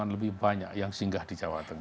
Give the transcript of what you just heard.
lebih banyak yang singgah di jawa tengah